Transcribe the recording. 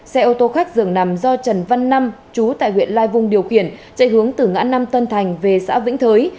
xe ô tô khách dường nằm do trần văn năm chú tại huyện lai vung điều khiển chạy hướng từ ngã năm tân thành về xã vĩnh thới